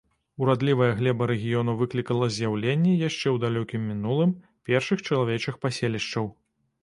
Урадлівая глеба рэгіёну выклікала з'яўленне, яшчэ ў далёкім мінулым, першых чалавечых паселішчаў.